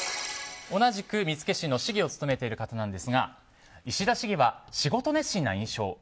同じく見附市の市議を務めている方なんですが石田市議は仕事熱心な印象。